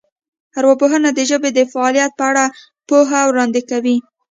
ارواپوهنه د ژبې د فعالیت په اړه پوهه وړاندې کوي